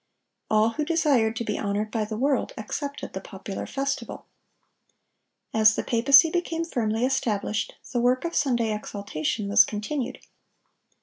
All who desired to be honored by the world accepted the popular festival. As the papacy became firmly established, the work of Sunday exaltation was continued.